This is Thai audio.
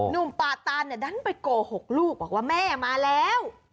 ป่าตานดันไปโกหกลูกบอกว่าแม่มาแล้ว